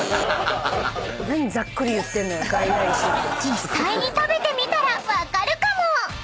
［実際に食べてみたら分かるかも！］